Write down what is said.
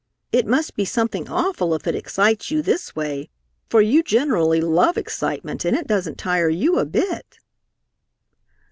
It must be something awful if it excites you this way, for you generally love excitement and it doesn't tire you a bit."